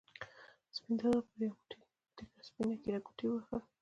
سپین دادا پر یو موټی تکه سپینه ږېره ګوتې ووهلې.